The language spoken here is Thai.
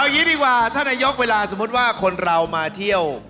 อย่างนี้ดีกว่าท่านนายกเวลาสมมุติว่าคนเรามาเที่ยว